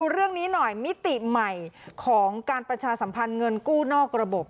เรื่องนี้หน่อยมิติใหม่ของการประชาสัมพันธ์เงินกู้นอกระบบ